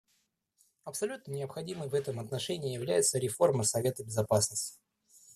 Абсолютно необходимой в этом отношении является реформа Совета Безопасности.